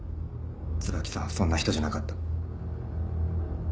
椿さんはそんな人じゃなかった。